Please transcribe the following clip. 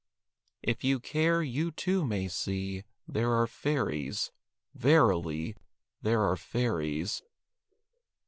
If you care, you too may see There are fairies. Verily, There are fairies.